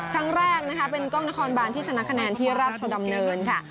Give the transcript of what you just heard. ครั้งแรกนะคะเป็นกล้องนครบานที่ชนะคะแนนที่ราชดำเนินค่ะ